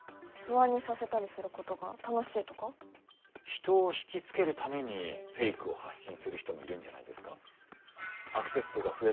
人を引きつけるためにフェイクを発信する人もいるんじゃないですか？